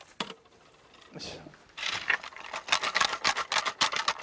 よし。